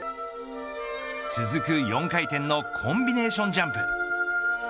続く４回転のコンビネーションジャンプ。